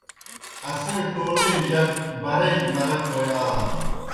اسے ٹولے جک برَئی گیْ مرک بوئے آلان۔